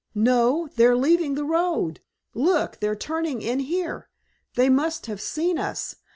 No, they're leaving the road! Look, they're turning in here! They must have seen us!